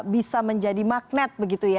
bisa menjadi magnet